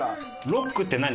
ロックって何？